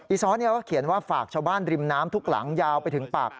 ซ้อนก็เขียนว่าฝากชาวบ้านริมน้ำทุกหลังยาวไปถึงปาก